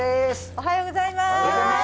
おはようございます。